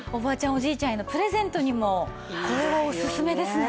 おじいちゃんへのプレゼントにもこれはおすすめですね。